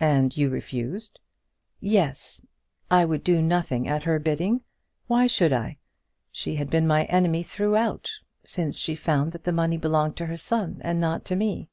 "And you refused?" "Yes; I would do nothing at her bidding. Why should I? She had been my enemy throughout, since she found that the money belonged to her son and not to me."